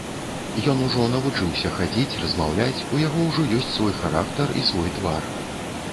Ён ужо навучыўся хадзіць, размаўляць, у яго ўжо ёсць свой характар і свой твар.